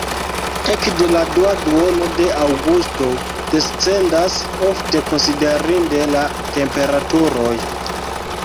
Ekde la dua duono de aŭgusto descendas ofte konsiderinde la temperaturoj.